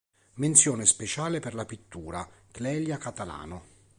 Menzione speciale per la Pittura: Clelia Catalano.